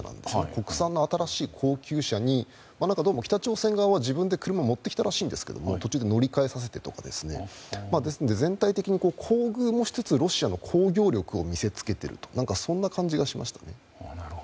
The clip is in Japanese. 国産の新しい高級車にどうも北朝鮮側は自分で車を持ってきたらしいんですが途中で乗り換えさせたりとかですねですので、全体的に厚遇もしつつロシアの工業力を見せつけているという感じがしました。